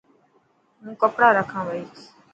هون ڪپڙا رکان پئي.